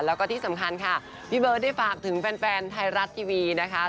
แล้วก็ที่สำคัญค่ะพี่เบิร์ตได้ฝากถึงแฟนไทยรัฐทีวีนะคะ